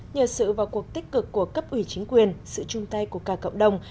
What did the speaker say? nhờ sự vào cuộc tích cực của cấp ủy chính quyền sự chung tay của cả cộng đồng